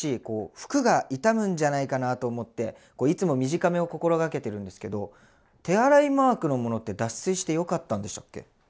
こう服が傷むんじゃないかなと思っていつも短めを心がけてるんですけど手洗いマークのものって脱水してよかったんでしたっけ？